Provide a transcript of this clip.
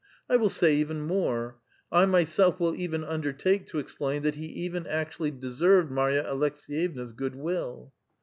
1 will say even more; I my Self win i.'von unilcrtako to explain that he even actually dosorvod Marx a Alck:>oYcvna's gcxKl will.